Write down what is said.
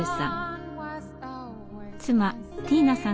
妻ティーナさん